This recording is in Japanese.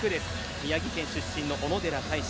宮城県出身の小野寺太志。